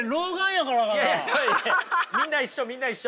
みんな一緒みんな一緒。